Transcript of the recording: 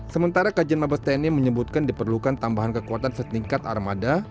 sementara kajian mabes tni menyebutkan diperlukan tambahan kekuatan setingkat armada